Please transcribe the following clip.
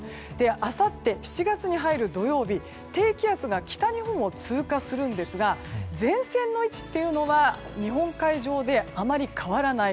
あさって７月に入る土曜日低気圧が北日本を通過しますが前線の位置が日本海上であまり変わらない。